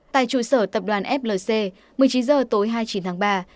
tại trụ sở tập đoàn flc một mươi chín h tối hai mươi chín tháng ba